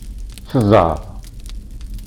S zzeɛḍ!